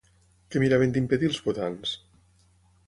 Què miraven d'impedir, els votants?